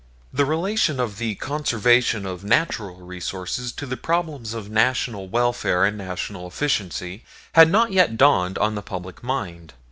The relation of the conservation of natural resources to the problems of National welfare and National efficiency had not yet dawned on the public mind.